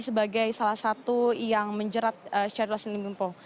sebagai salah satu yang menjerat syahrul yassin limpo